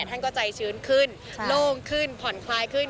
ท่านก็ใจชื้นขึ้นโล่งขึ้นผ่อนคลายขึ้น